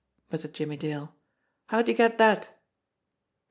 muttered Jimmie Dale. "How'd you get that?"